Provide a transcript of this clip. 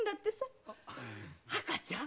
赤ちゃん？